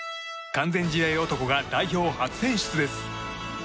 完全試合男が代表初選出です。